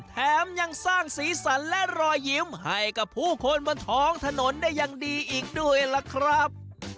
แถมยังสร้างสีสันและรอยยิ้มให้กับผู้คนบนท้องถนนได้อย่างดีอีกด้วยล่ะครับ